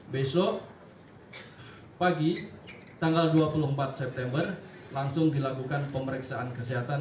besok pagi tanggal dua puluh empat september langsung dilakukan pemeriksaan kesehatan